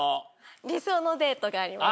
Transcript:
理想のデートがあります。